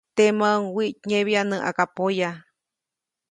Temäʼuŋ wiʼtnyebya näʼakpoya.